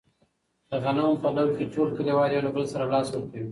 د غنمو په لو کې ټول کلیوال یو له بل سره لاس ورکوي.